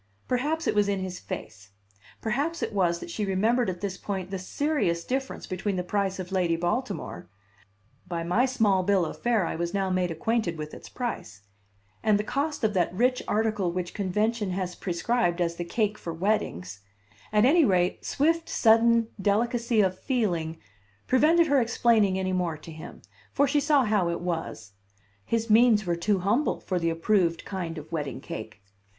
Perhaps it was in his face; perhaps it was that she remembered at this point the serious difference between the price of Lady Baltimore (by my small bill of fare I was now made acquainted with its price) and the cost of that rich article which convention has prescribed as the cake for weddings; at any rate, swift, sudden delicacy of feeling prevented her explaining any more to him, for she saw how it was: his means were too humble for the approved kind of wedding cake!